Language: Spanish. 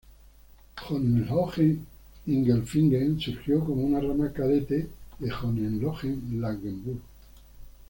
Hohenlohe-Ingelfingen surgió como una rama cadete de Hohenlohe-Langenburg.